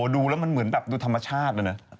ดูแล้วมันเหมือนแบบดูธรรมชาติเลยนะ